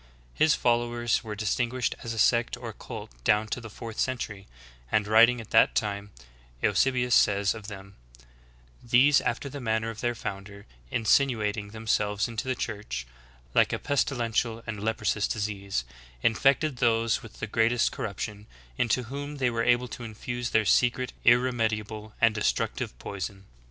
His followers were distinguished as a sect or cult down to the fourth century; and, writing at that time, Eusebius says of them : "These, after the manner of their founder, insinuating themselves into the Church, like a pes tilential and leprous disease, infected those with the great est corruption, into whom they were able to infuse their secret, irremediable, and destructive poison.